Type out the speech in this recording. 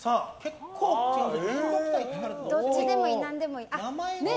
どっちでもいい、何でもいい。